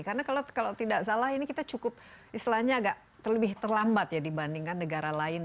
karena kalau tidak salah ini kita cukup istilahnya agak lebih terlambat ya dibandingkan negara lain